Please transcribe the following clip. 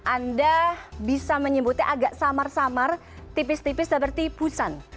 anda bisa menyebutnya agak samar samar tipis tipis seperti pusan